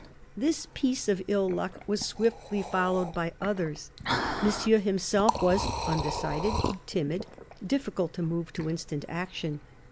This piece of ill luck was swiftly followed by others. Monsieur himself was undecided, timid, difficult to move to instant action.